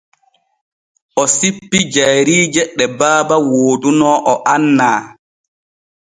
O sippi jayriije ɗe baaba wooduno o annaa.